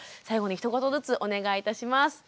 最後にひと言ずつお願いいたします。